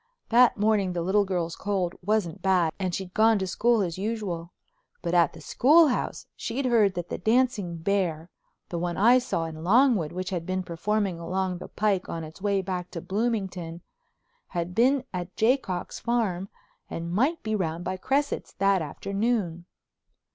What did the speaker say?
That morning the little girl's cold wasn't bad and she'd gone to school as usual. But at the schoolhouse she heard that the dancing bear—the one I saw in Longwood which had been performing along the pike on its way back to Bloomington—had been at Jaycock's farm and might be round by Cresset's that afternoon.